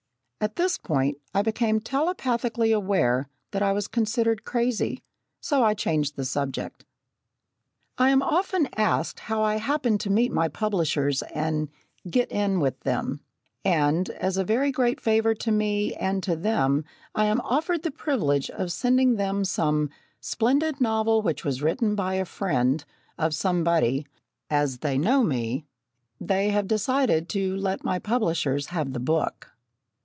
At this point, I became telepathically aware that I was considered crazy, so I changed the subject. I am often asked how I happened to meet my publishers and "get in with them," and as a very great favour to me, and to them, I am offered the privilege of sending them some "splendid novel which was written by a friend" of somebody as they know me, "they have decided to let my publishers have the book!"